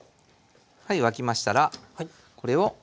はい沸きましたらこれを。